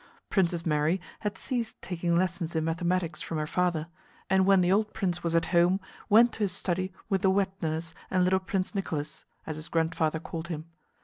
Princess Mary had ceased taking lessons in mathematics from her father, and when the old prince was at home went to his study with the wet nurse and little Prince Nicholas (as his grandfather called him).